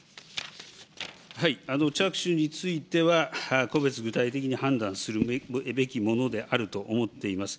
着手については、個別具体的に判断するべきものであると思っています。